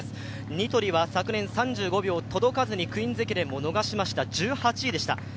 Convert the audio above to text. ニトリは昨年３５秒届かずにクイーンズ駅伝を逃しました、１８位でした。